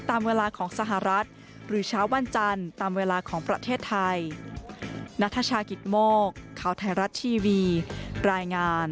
ตามเวลาของสหรัฐหรือเช้าวันจันทร์ตามเวลาของประเทศไทย